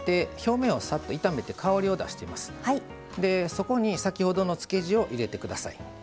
そこに先ほどのつけ地を入れてください。